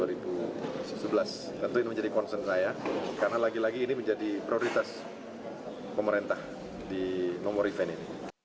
tentu ini menjadi concern saya karena lagi lagi ini menjadi prioritas pemerintah di nomor event ini